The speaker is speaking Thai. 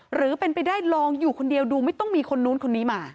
หรือเป็นไปได้ลองอยู่คนเดียวดูไม่ต้องมีคนนู้นคนนี้มา